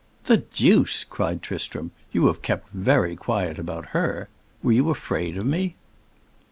"The deuce!" cried Tristram, "you have kept very quiet about her. Were you afraid of me?"